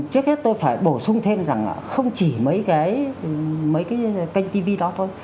trước hết tôi phải bổ sung thêm rằng là không chỉ mấy cái kênh tivi đó thôi